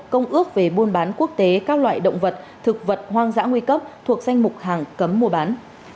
công ước về buôn bán quốc tế các loại động vật thực vật hoang dã nguy cấp thuộc danh mục hàng cấm mua bán